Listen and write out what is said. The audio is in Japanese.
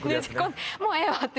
もうええわって。